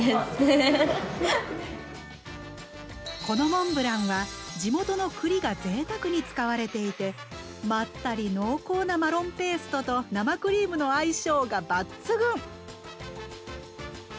このモンブランは地元のくりがぜいたくに使われていてまったり濃厚なマロンペーストと生クリームの相性が抜群！